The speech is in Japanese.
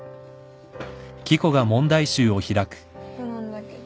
ここなんだけど。